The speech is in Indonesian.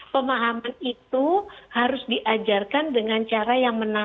pemahaman itu harus diajarkan dengan cara yang menarik